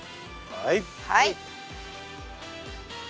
はい。